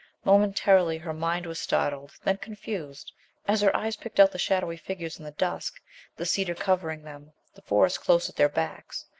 Momentarily her mind was startled, then confused, as her eyes picked out the shadowy figures in the dusk, the cedar covering them, the Forest close at their backs.